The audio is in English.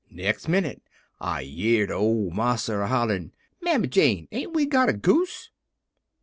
"Next minute I yerd old marsa a hollerin': "'Mammy Jane, ain't we got a goose?'